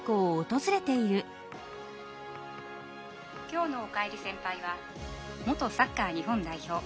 「きょうの『おかえり先輩』は元サッカー日本代表